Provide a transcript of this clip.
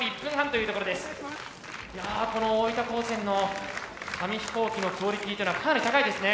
いやこの大分高専の紙飛行機のクオリティーというのはかなり高いですね。